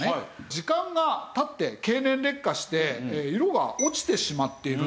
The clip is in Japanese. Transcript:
時間が経って経年劣化して色が落ちてしまっているんですよ。